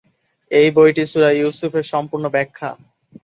এই বইটি সূরা ইউসুফের সম্পূর্ণ ব্যাখ্যা।